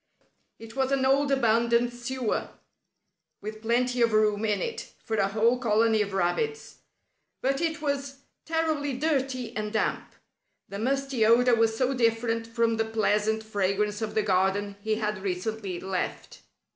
It was an old abandoned sewer, with plenty of room in it for a whole colony of rabbits, but it was terribly dirty and damp. The musty odor was so different from the pleasant fragrance of the garden he had recently left.